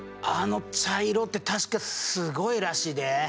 あの茶色って確かすごいらしいで。